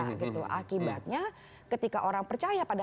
akibatnya ketika orang percaya pada